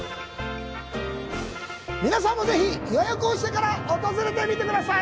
皆さんもぜひ予約をしてから訪れてみてください。